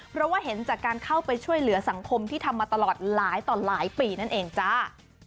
เพราะว่าเห็นจากการเข้าไปช่วยเหลือสังคมที่ทำมาตลอดหลายต่อหลายปีนั่นเองจ้า